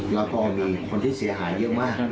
และมีคนที่เสียหายมาก